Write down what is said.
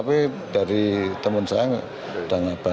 seharusnya sabtu ya